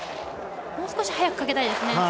もう少し早くかけたいですね。